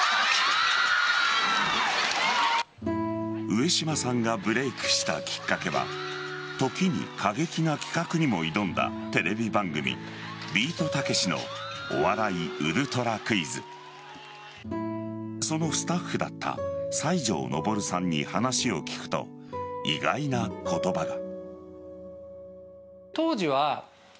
上島さんがブレークしたきっかけは時に過激な企画にも挑んだテレビ番組「ビートたけしのお笑いウルトラクイズ」そのスタッフだった西条昇さんに話を聞くと意外な言葉が。